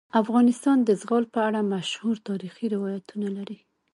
افغانستان د زغال په اړه مشهور تاریخی روایتونه لري.